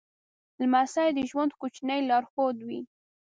لمسی د ژوند کوچنی لارښود وي.